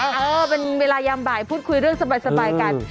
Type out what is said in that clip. เออเป็นเวลายามบ่ายพูดคุยเรื่องสบายกัน